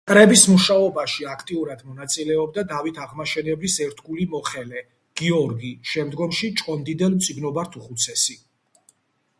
კრების მუშაობაში აქტიურად მონაწილეობდა დავით აღმაშენებლის ერთგული მოხელე გიორგი, შემდგომში ჭყონდიდელ-მწიგნობართუხუცესი.